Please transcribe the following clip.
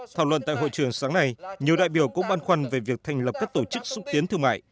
thảo luận tại hội trường sáng nay nhiều đại biểu cũng băn khoăn về việc thành lập các tổ chức xúc tiến thương mại